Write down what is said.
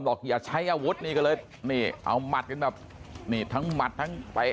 บอกอย่าใช้อาวุธนี่ก็เลยนี่เอามัดพี่นับมีตั้งมัดซังไป